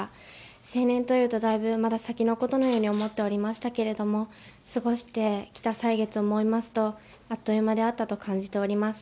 成年というと、だいぶまだ先のことのように思っておりましたけれども、過ごしてきた歳月を思いますと、あっという間であったと感じております。